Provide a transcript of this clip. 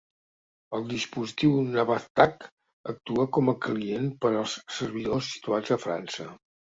El dispositiu Nabaztag actua com a client per als servidors situats a França.